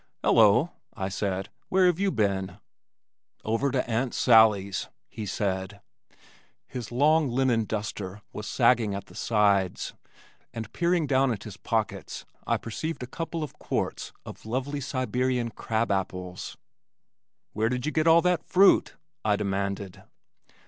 "Hello," I said. "Where have you been?" "Over to Aunt Sallie's," he said. His long, linen duster was sagging at the sides, and peering down at his pockets I perceived a couple of quarts of lovely Siberian crab apples. "Where did you get all that fruit?" I demanded.